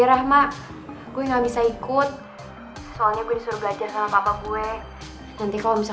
apakah ayo taruh ully amat